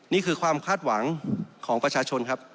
นี่คือความคาดหวังของประชาชนครับ